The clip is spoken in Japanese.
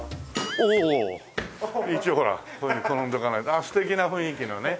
ああ素敵な雰囲気のね。